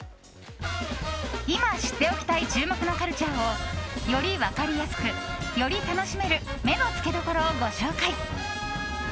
今知っておきたい注目のカルチャーをより分かりやすく、より楽しめる目のつけどころをご紹介。